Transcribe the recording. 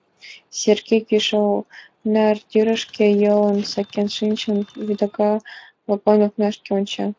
Сергей, кӱшыл нар тӱрышкӧ йолым сакен шинчын, вудака вагон окнашке онча.